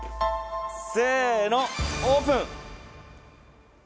せのオープン！